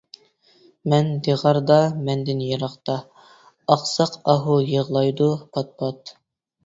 مەن دىغاردا، مەندىن يىراقتا، ئاقساق ئاھۇ يىغلايدۇ پات-پات.